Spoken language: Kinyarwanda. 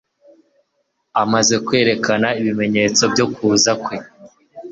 amaze kwerekana ibimenyetso byo kuza kwe